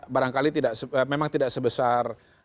barangkali memang tidak sebesar